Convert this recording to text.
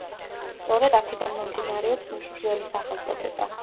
სწორედ აქედან მომდინარეობს მისი ძველი სახელწოდება.